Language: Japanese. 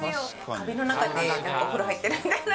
カビの中でお風呂入ってるみたいな。